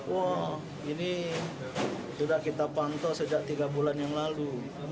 wah ini sudah kita pantau sejak tiga bulan yang lalu